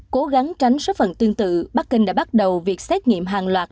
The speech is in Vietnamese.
cố gắng tránh số phận tương tự bắc kinh đã bắt đầu việc xét nghiệm hàng loạt